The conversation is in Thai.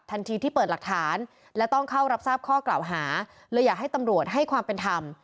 ที่เปิดหลักฐานและต้องเข้ารับทราบข้อกล่าวหาเลยอยากให้ตำรวจให้ความเป็นธรรม